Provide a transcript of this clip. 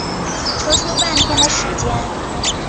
抽出半天的时间